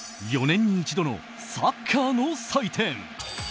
４年に一度のサッカーの祭典ＦＩＦＡ